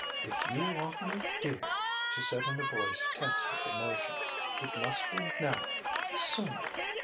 "If you want me, dear," she said in a voice tense with emotion "it must be now soon!